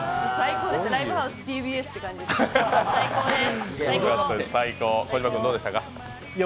ライブハウスＴＢＳって感じでした、最高です。